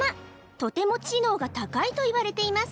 とても知能が高いといわれています